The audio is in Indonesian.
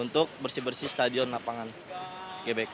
untuk bersih bersih stadion lapangan gbk